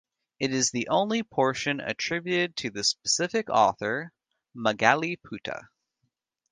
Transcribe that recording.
It is the only portion attributed to a specific author, Moggaliputta.